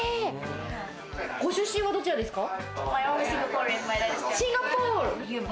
ご出身は、どちらですか？